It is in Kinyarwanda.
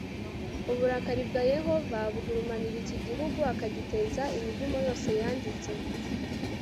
uburakari bwa yehova bugurumanira iki gihugu akagiteza imivumo yose yanditse